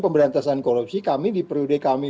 pemberantasan korupsi kami di periode kami